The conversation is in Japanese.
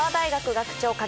学長！